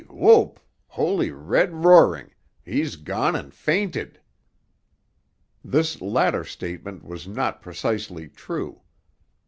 Whoap! Holy, red roaring—he's gone and fainted!" This latter statement was not precisely true.